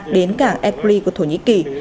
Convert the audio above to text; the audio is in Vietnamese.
đến cảng ekri của thổ nhĩ kỳ